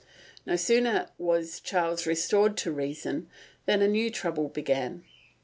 No sooner was Charles restored to reason than a new trouble began.